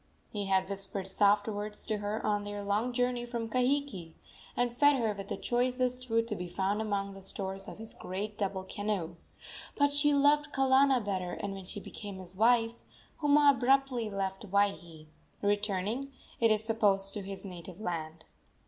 He had whispered soft words to her on their long journey from Kahiki, and fed her with the choicest food to be found among the stores of his great double canoe; but she loved Kalana better, and, when she became his wife, Huma abruptly left Waihee, returning, it is supposed, to his native land.